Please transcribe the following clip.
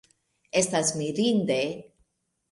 Estas mirinde.